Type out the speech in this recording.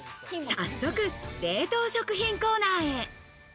早速、冷凍食品コーナーへ。